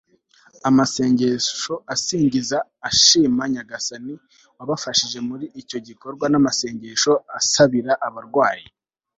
amasengesho asingiza, ashima nyagasani wabafashije muri icyo gikorwa n'amasengesho asabira abarwayi